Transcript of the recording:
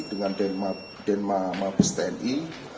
dengan denma mabes tni